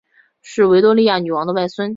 是维多利亚女王的外孙。